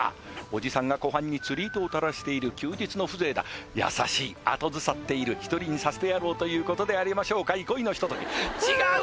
おじさんが湖畔に釣り糸をたらしている休日の風情だ優しい後ずさっている１人にさせてやろうということでありましょうか憩いのひととき違う！